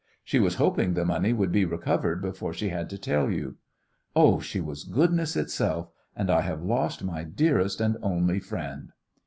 She was hoping the money would be recovered before she had to tell you. Oh, she was goodness itself, and I have lost my dearest and only friend."